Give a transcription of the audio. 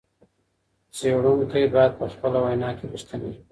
څېړونکی باید په خپله وینا کې رښتونی وي.